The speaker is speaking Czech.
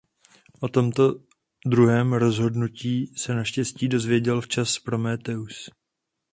O tomto druhém rozhodnutí se naštěstí dozvěděl včas Prométheus.